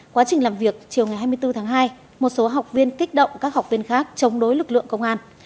quá trình làm việc chiều ngày hai mươi bốn tháng hai một số học viên kích động các học viên khác chống đối lực lượng công an